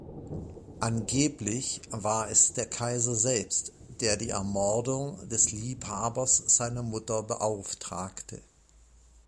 Angeblich war es der Kaiser selbst der die Ermordung des Liebhabers seiner Mutter beauftragte.